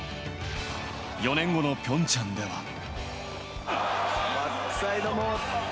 ４年後のピョンチャンでは。